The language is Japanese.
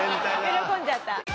喜んじゃった。